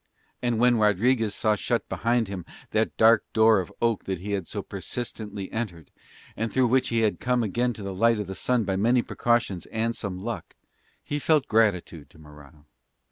And when Rodriguez saw shut behind him that dark door of oak that he had so persistently entered, and through which he had come again to the light of the sun by many precautions and some luck, he felt gratitude to Morano.